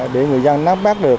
để người dân nắp bác được